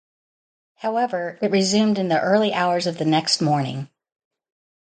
However it resumed in the early hours of the next morning.